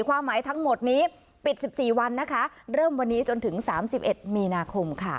ความหมายทั้งหมดนี้ปิด๑๔วันนะคะเริ่มวันนี้จนถึง๓๑มีนาคมค่ะ